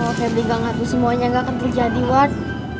kalau febri nggak ngadu semuanya nggak akan terjadi wak